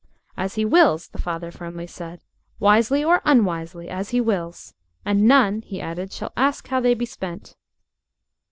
"As he wills," the father firmly said; "wisely or unwisely. As he wills. And none," he added, "shall ask how they be spent."